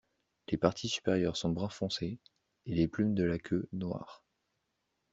Les parties supérieures sont brun foncé et les plumes de la queue noires.